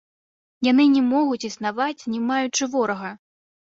Яны не могуць існаваць, не маючы ворага!